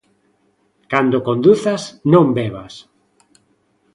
Cando conduzas, non bebas!